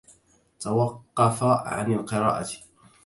توقف عن القراءة.